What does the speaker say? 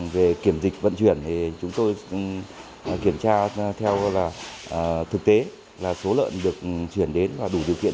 về kiểm dịch vận chuyển thì chúng tôi kiểm tra theo là thực tế là số lợn được chuyển đến và đủ điều kiện